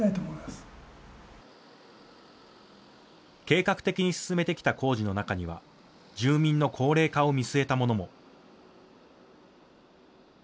計画的に進めてきた工事の中には住民の高齢化を見据えたものも。